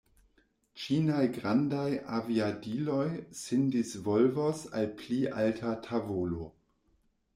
Ĉinaj grandaj aviadiloj sin disvolvos al pli alta tavolo.